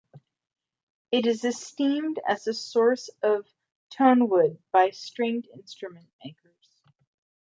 It is esteemed as a source of tonewood by stringed-instrument makers.